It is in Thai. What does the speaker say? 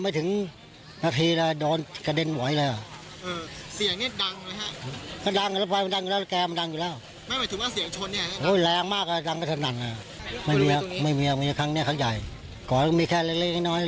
อะโดนเกิดเหตุที่สัญญาณไฟมีไหมครับ